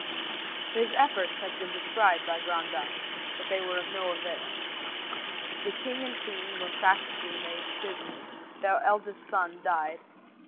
His efforts have been described by Grandat; but they were of no avail. The king and queen were practically made prisoners. Their eldest son died.